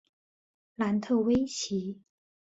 楠特威奇。